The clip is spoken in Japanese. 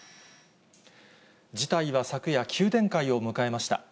事態は昨夜、急展開を迎えました。